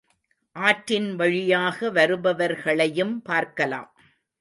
ஆற்றின் வழியாக வருபவர்களையும் பார்க்கலாம்.